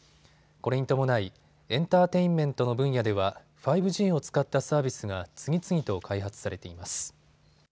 これに伴い、エンターテインメントの分野では５Ｇを使ったサービスが次々と開発されています。